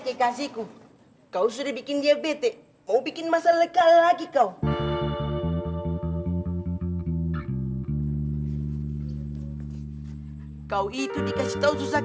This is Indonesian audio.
kekasihku kau sudah bikin diabete mau bikin masa leka lagi kau kau itu dikasih tahu susah